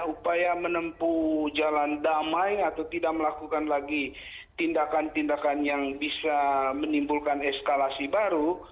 upaya menempuh jalan damai atau tidak melakukan lagi tindakan tindakan yang bisa menimbulkan eskalasi baru